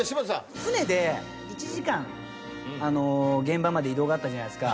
船で１時間現場まで移動があったじゃないですか。